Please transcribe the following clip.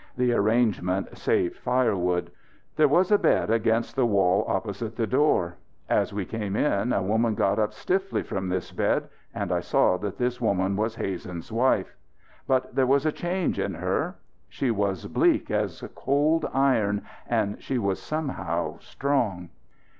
The arrangement saved firewood. There was a bed against the wall opposite the door. As we came in a woman got up stiffly from this bed and I saw that this woman was Hazen's wife. But there was a change in her. She was bleak as cold iron and she was somehow strong.